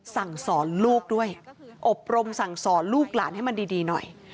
สั่งสอนลูกด้วยอบรมสั่งสอนลูกหลานให้มันดีหน่อย